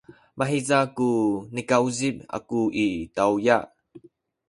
mahiza ku nikauzip aku i tawya.